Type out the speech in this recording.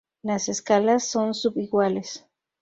Las escalas son sub-iguales.